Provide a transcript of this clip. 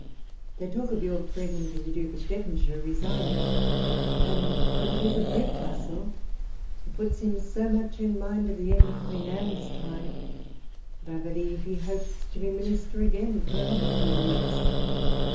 They talk of your friend the Duke of Devonshire resigning ; and, for the Duke of Newcastle, it puts him so much in mind of the end of Queen Anne's time, that I believe he hopes to be Minister again for another forty years.